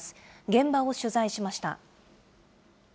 現場を取材しました。